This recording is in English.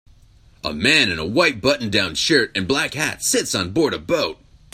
A man in a white button down shirt and black hat sits on board a boat.